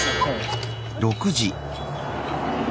６時。